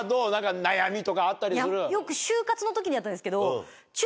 よく就活の時にあったんですけど。